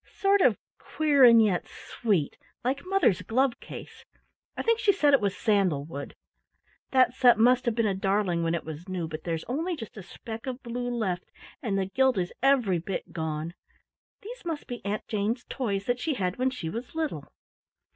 "Sort of queer and yet sweet, like mother's glove case. I think she said it was sandal wood. That set must have been a darling when it was new, but there's only just a speck of blue left and the gilt is every bit gone. These must be Aunt Jane's toys that she had when she was little."